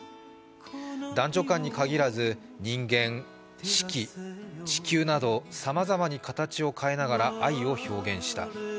男女間に限らず、人間、四季、地球など、さまざまに形を変えながら愛を表現した。